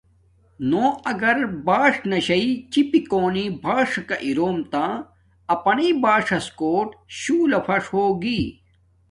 نو اگر باݽ ناشݵ چپی کونی باݽکا اروم تہ اپانیݵ باݽݽ کوٹ شولہ فݽ ہوگی۔